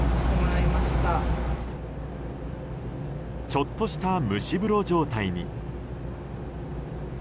ちょっとした蒸し風呂状態に。